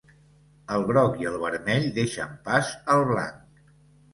El groc i el vermell deixen pas al blanc.